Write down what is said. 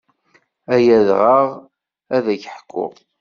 Ay adɣaɣ ad ak-ḥkuɣ.